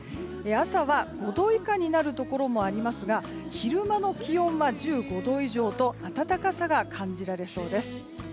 朝は５度以下になるところもありますが昼間の気温は１５度以上と暖かさが感じられそうです。